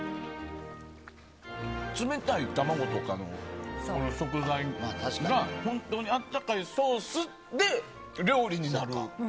冷たい玉子とかの食材が本当に温かいソースで料理になる。